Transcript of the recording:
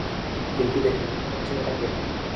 কেউ কি দেখতে পাচ্ছেন ওটাকে?